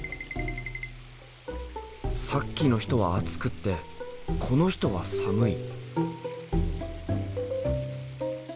さっきの人は熱くってこの人は寒い。